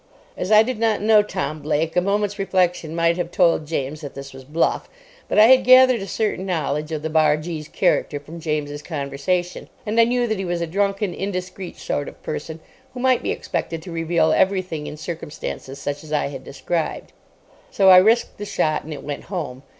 As I did not know Tom Blake, a moment's reflection might have told James that this was bluff. But I had gathered a certain knowledge of the bargee's character from James's conversation, and I knew that he was a drunken, indiscreet sort of person who might be expected to reveal everything in circumstances such as I had described; so I risked the shot, and it went home.